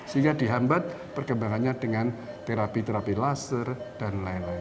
sehingga dihambat perkembangannya dengan terapi terapi laser dan lain lain